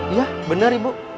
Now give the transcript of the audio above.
iya bener ibu